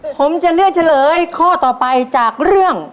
ผมจะเลือกเฉลยข้อต่อไปจากเรื่อง